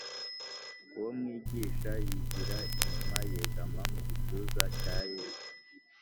Uwo mwigisha yigira inyuma yegama mu gituza cya yesu